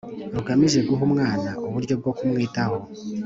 rugamije guha umwana uburyo bwo kumwitaho